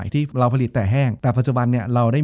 จบการโรงแรมจบการโรงแรม